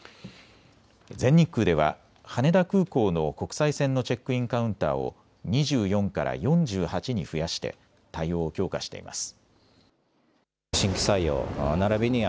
全日空では羽田空港の国際線のチェックインカウンターを２４から４８に増やして対応を強化しています。